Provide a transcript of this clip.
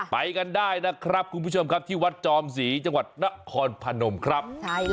ไปกันได้นะครับคุณผู้ชมครับที่วัดจอมศรีจังหวัดนครพนมครับ